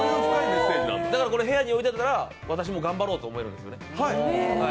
だから部屋に置いておいたら私も頑張ろうと思えるんですね。